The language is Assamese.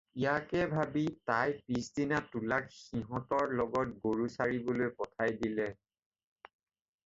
ইয়াকে ভাবি তাই পিছদিনা তুলাক সিহঁতৰ লগত গৰু চৰাবলৈ পঠিয়াই দিলে।